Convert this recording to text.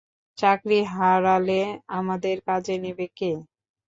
চাকরি হারালে আমাদের কাজে নিবে কে?